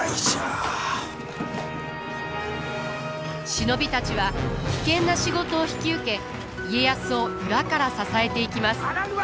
忍びたちは危険な仕事を引き受け家康を裏から支えていきます。